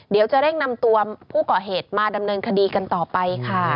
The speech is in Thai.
เดี๋ยวจะเร่งนำตัวผู้ก่อเหตุมาดำเนินคดีกันต่อไปค่ะ